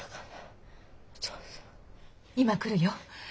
今来るよ。